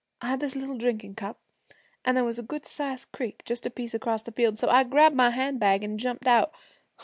I had this little drinkin' cup, an' there was a good sized creek just a piece across the field, so I grabbed my hand bag an' jumped out.